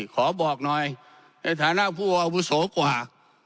ขอบอกหน่อยในฐานะวัวบุโสกว่า